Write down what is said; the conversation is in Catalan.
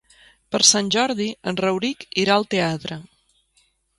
Per Sant Jordi en Rauric irà al teatre.